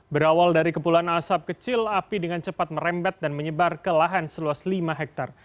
berawal dari kepulan asap kecil api dengan cepat merembet dan menyebar ke lahan seluas lima hektare